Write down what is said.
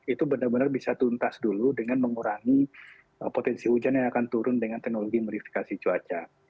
itu benar benar bisa tuntas dulu dengan mengurangi potensi hujan yang akan turun dengan teknologi modifikasi cuaca